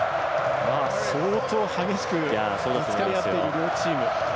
相当、激しくぶつかり合っている両チーム。